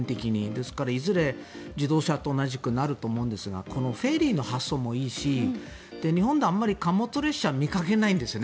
ですから、いずれ自動車と同じになると思うんですがこのフェリーの発想もいいし日本ではあまり貨物列車を見かけないんですよね。